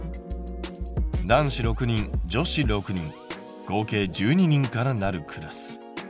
男子６人女子６人合計１２人からなるクラス。